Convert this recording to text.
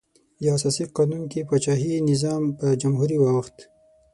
د اساسي قانون کې پاچاهي نظام په جمهوري واوښت.